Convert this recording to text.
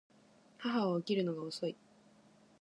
母は起きるのが遅い